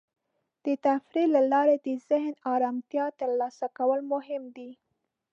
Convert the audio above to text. د تفریح له لارې د ذهن ارامتیا ترلاسه کول مهم دی.